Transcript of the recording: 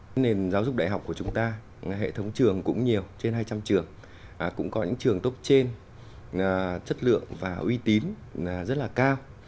cái nền giáo dục đại học của chúng ta hệ thống trường cũng nhiều trên hai trăm linh trường cũng có những trường tốt trên chất lượng và uy tín rất là cao